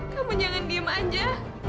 kamu jangan diam aja